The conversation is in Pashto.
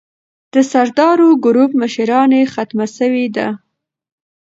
د سردارو ګروپ مشراني ختمه سوې ده.